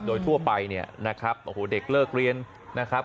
โดยทั่วไปเนี่ยนะครับโอ้โหเด็กเลิกเรียนนะครับ